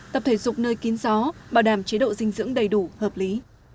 tập thể dục nơi kín gió bảo đảm chế độ dinh dưỡng đầy đủ hợp lý